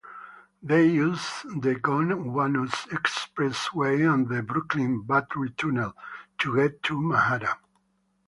They use the Gowanus Expressway and the Brooklyn–Battery Tunnel to get to Manhattan.